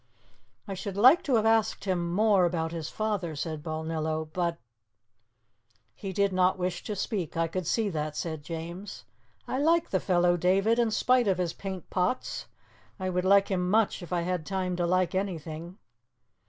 "I should like to have asked him more about his father," said Balnillo; "but " "He did not wish to speak; I could see that," said James. "I like the fellow, David, in spite of his paint pots. I would like him much if I had time to like anything."